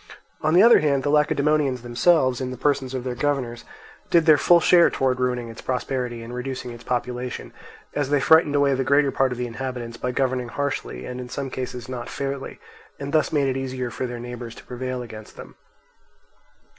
On the other hand the Lacedaemonians themselves, in the persons of their governors, did their full share towards ruining its prosperity and reducing its population, as they frightened away the greater part of the inhabitants by governing harshly and in some cases not fairly, and thus made it easier for their neighbours to prevail against them.